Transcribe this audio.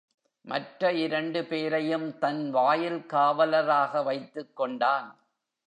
மற்ற இரண்டு பேரையும் தன் வாயில் காவலராக வைத்துக் கொண்டான்.